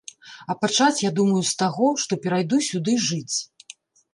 А пачаць я думаю з таго, што перайду сюды жыць.